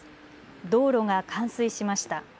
道路が冠水しました。